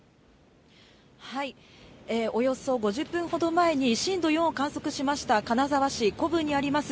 およそ５０分ほど前に震度４を観測しました金沢市古府にあります